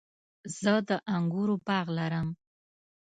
زه د انګورو باغ لرم